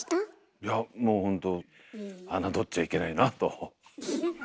いやもうほんと侮っちゃいけないなと。